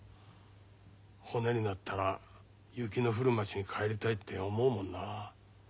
骨になったら雪の降る町に帰りたいって思うもんな。